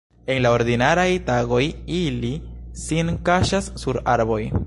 En la ordinaraj tagoj ili sin kaŝas sur arboj.